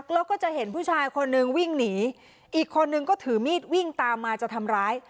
แล้วก็จะเห็นผู้ชายคนนึงวิ่งหนีอีกคนนึงก็ถือมีดวิ่งตามมาจะทำร้าย